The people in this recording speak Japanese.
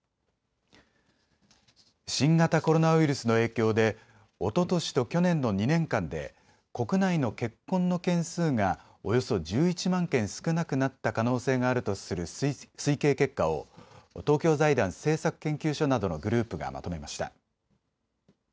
新型コロナウイルスの影響でおととしと去年の２年間で国内の結婚の件数がおよそ１１万件少なくなった可能性があるとする推計結果を東京財団政策研究所などのグループがまとめました。